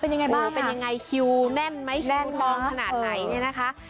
เป็นยังไงบ้างเป็นยังไงคิวแน่นไหมแน่นทองขนาดไหนเนี่ยนะคะ